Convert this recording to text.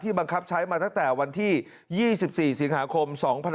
บังคับใช้มาตั้งแต่วันที่๒๔สิงหาคม๒๕๖๒